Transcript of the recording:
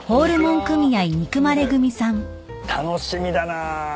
楽しみだな。